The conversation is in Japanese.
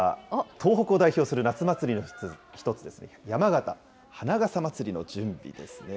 東北を代表する夏祭りの１つ、山形花笠まつりの準備ですね。